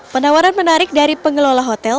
penawaran menarik dari pengelola hotel